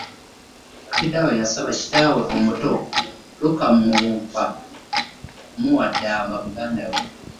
Kibaddaawo yasaba kitaawe omuto Lukka Muwumpa okumuwa Ddamba muganda we.